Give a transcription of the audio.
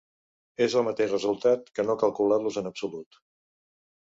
És el mateix resultat que no calcular-los en absolut.